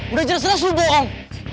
udah jelas jelas lu bohong